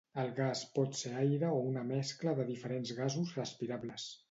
El gas pot ser aire o una mescla de diferents gasos respirables.